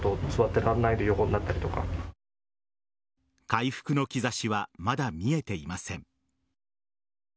回復の兆しはまだ見えていません。